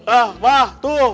ah mbak tuh